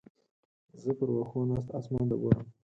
زه پر وښو ناسته اسمان ته ګورم.